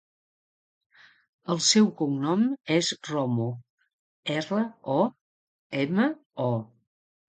El seu cognom és Romo: erra, o, ema, o.